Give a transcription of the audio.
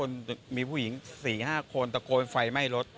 มีผู้หญิง๔๕คนตะโกนไฟไหม้รถ